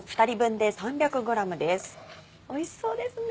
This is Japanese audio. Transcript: おいしそうですね。